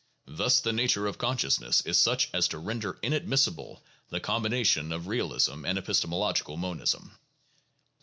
Thus the nature of conscious ness is such as to render inadmissible the combination of realism and epistemological monism.